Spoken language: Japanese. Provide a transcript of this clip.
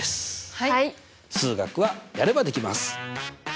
数学はやればできます！